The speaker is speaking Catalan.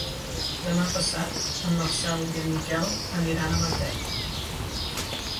Demà passat en Marcel i en Miquel aniran a Matet.